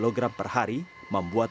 membuat pemilik akhirnya merumahkan